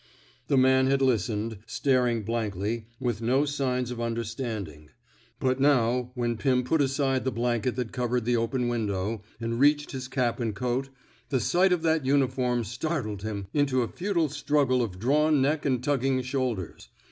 The man had listened, staring blankly, with no signs of understanding; but now, when Pirn put aside the blanket that covered the open window, and reached his cap and coat, the sight of that uniform startled him into a futile struggle of drawn neck and tugging shoulders.